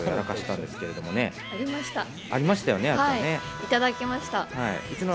いただきました。